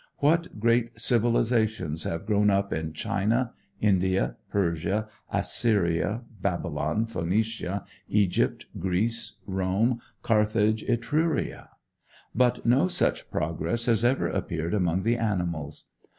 What great civilizations have grown up in China, India, Persia, Assyria, Babylon, Phœnicia, Egypt, Greece, Rome, Carthage, Etruria! But no such progress has ever appeared among the animals.